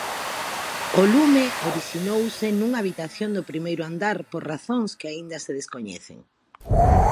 O lume orixinouse nunha habitación do primeiro andar por razóns que aínda se descoñecen.